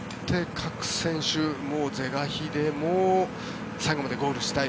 各選手、是が非でも最後までゴールしたい。